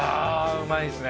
うまいっすね